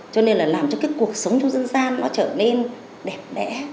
cho nên là làm cho cái cuộc sống trong dân gian nó trở nên đẹp đẽ